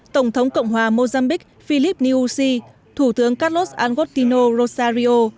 tổng thống cộng hòa mozambique philip niussi thủ tướng carlos angostino rosario